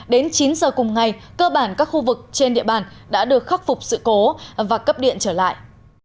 đến chín giờ cùng ngày cơ bản các khu vực trên địa bàn đã được khắc phục sự cố và cấp điện trở lại